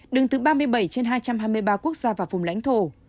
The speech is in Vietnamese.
đứng thứ ba mươi bảy trên hai trăm hai mươi ba quốc gia và vùng lãnh thổ